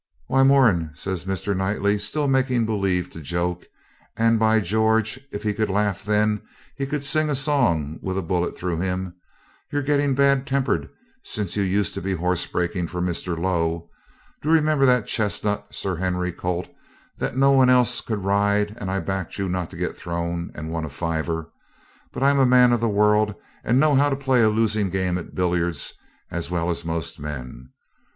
'Why, Moran,' says Mr. Knightley, still making believe to joke and, by George! if he could laugh then, he could sing a song with a bullet through him 'you're getting bad tempered since you used to be horsebreaking for Mr. Lowe. Don't you remember that chestnut Sir Henry colt that no one else could ride, and I backed you not to get thrown, and won a fiver? But I'm a man of the world and know how to play a losing game at billiards as well as most men.